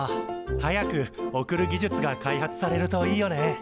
早く送る技術が開発されるといいよね。